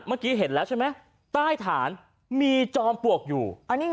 เมื่อกี้เห็นแล้วใช่ไหมใต้ฐานมีจอมปลวกอยู่